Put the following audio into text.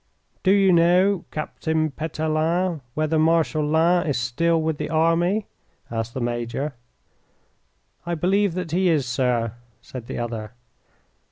"Do you know, Captain Pelletan, whether Marshal Lannes is still with the army?" asked the major. "I believe that he is, sir," said the other.